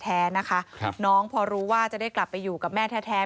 แล้วตอนนี้ศาลให้ประกันตัวออกมาแล้ว